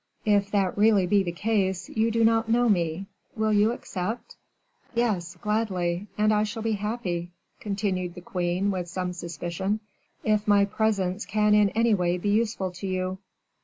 If that really be the case, you do not know me. Will you accept?" "Yes, gladly. And I shall be happy," continued the queen, with some suspicion, "if my presence can in any way be useful to you."